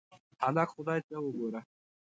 هکله خدای ته وګوره.